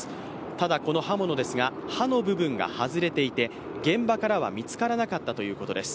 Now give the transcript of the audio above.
ただ、この刃物ですが、刃の部分が外れていて、現場からは見付からなかったということです。